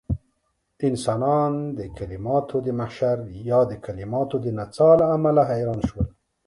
انسانان د کليماتو د محشر يا د کليماتو د نڅاه له امله حيران شول.